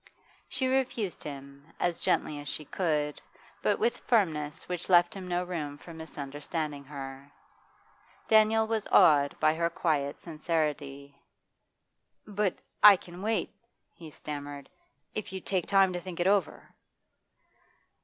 She refused him, as gently as she could, but with firmness which left him no room for misunderstanding her. Daniel was awed by her quiet sincerity. 'But I can wait,' he stammered; 'if you'd take time to think it over?